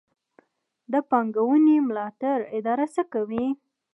د پانګونې ملاتړ اداره څه کوي؟